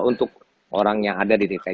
untuk orang yang ada di dki